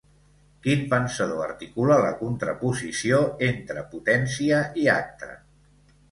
Quin pensador articula la contraposició entre potència i acte?